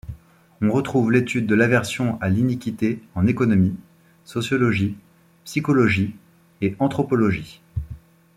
On retrouve l'étude de l'aversion à l'iniquité en économie, sociologie, psychologie et anthropologie.